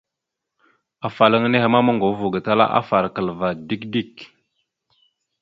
Afalaŋa nehe ma moŋgov ava gatala afarəkal ava dik dik.